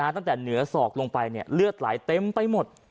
ตั้งแต่เหนือศอกลงไปเลือดไหลเต็มไปหมด